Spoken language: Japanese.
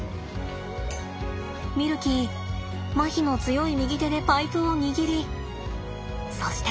ミルキーまひの強い右手でパイプを握りそして。